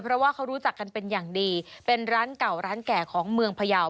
เพราะว่าเขารู้จักกันเป็นอย่างดีเป็นร้านเก่าร้านแก่ของเมืองพยาว